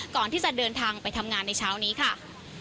ก่อนที่จะเดินทางไปทำงานในเช้านี้ค่ะ